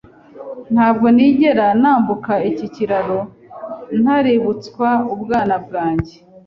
Ntabwo nigera nambuka iki kiraro ntaributswa ubwana bwanjye.